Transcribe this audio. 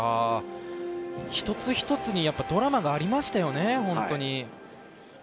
一つ一つにドラマがありましたよね。